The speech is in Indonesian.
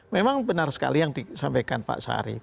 memang benar sekali yang disampaikan pak sarif